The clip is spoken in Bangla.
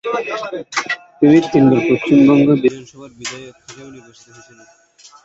তিনি তিনবার পশ্চিমবঙ্গ বিধানসভার বিধায়ক হিসেবে নির্বাচিত হয়েছিলেন।